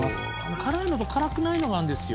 辛いのと辛くないのがあるんですよ。